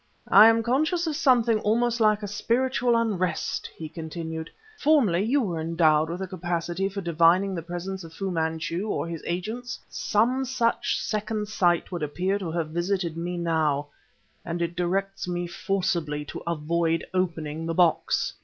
"I am conscious of something almost like a spiritual unrest," he continued. "Formerly you were endowed with a capacity for divining the presence of Fu Manchu or his agents. Some such second sight would appear to have visited me now, and it directs me forcibly to avoid opening the box."